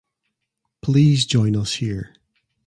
please join us here.